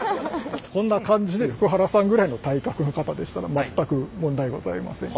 こんな感じで福原さんぐらいの体格の方でしたら全く問題ございません。